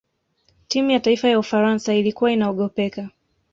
timu ya taifa ya ufaransa ilikuwa inaogopeka